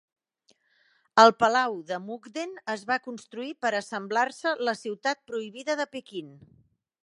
El Palau de Mukden es va construir per assemblar-se la Ciutat Prohibida de Pequín.